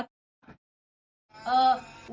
เออ